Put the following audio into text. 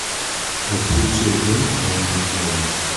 The three children are in a cage.